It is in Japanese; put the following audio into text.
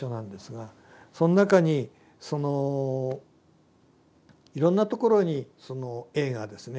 その中にそのいろんなところにそのＡがですね